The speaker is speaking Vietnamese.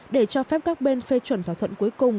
để cho phép các bên phê chuẩn thỏa thuận cuối cùng